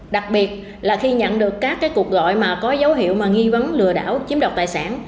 đặc biệt là khi nhận được các cuộc gọi mà có dấu hiệu nghi vấn lừa đảo chiếm đoạt tài sản